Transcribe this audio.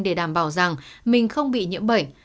để đảm bảo rằng mình không bị nhiễm bệnh